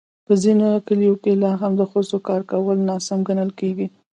په ځینو کلیو کې لا هم د ښځو کار کول ناسم ګڼل کېږي.